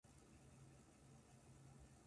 早く帰ってください